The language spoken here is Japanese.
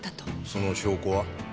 その証拠は？